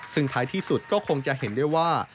ซึ่งท้ายที่สุดก็คงจะเห็นได้ว่า